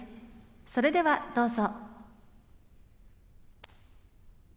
それでは、どうぞ。